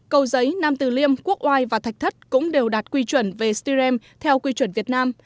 cầu giấy nam từ liêm quốc oai và thạch thất cũng đều đạt quy chuẩn về styren theo quy chuẩn việt nam